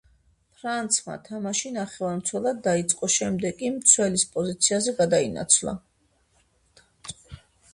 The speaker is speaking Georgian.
ფრანცმა თამაში ნახევარმცველად დაიწყო, შემდეგ კი მცველის პოზიციაზე გადაინაცვლა.